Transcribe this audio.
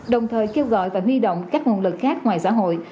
đồng thời kêu gọi và huy động các nguồn lực khác ngoài xã hội